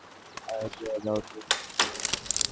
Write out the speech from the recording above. Idea দাও তো।